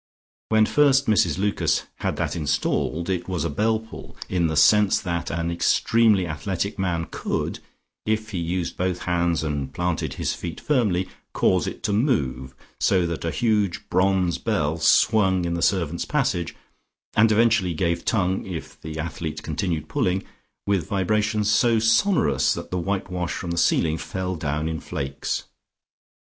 When first Mrs Lucas had that installed, it was a bell pull in the sense that an extremely athletic man could, if he used both hands and planted his feet firmly, cause it to move, so that a huge bronze bell swung in the servants' passage and eventually gave tongue (if the athlete continued pulling) with vibrations so sonorous that the white wash from the ceiling fell down in flakes.